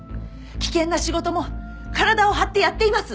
危険な仕事も体を張ってやっています。